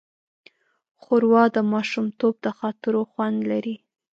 ښوروا د ماشومتوب د خاطرو خوند لري.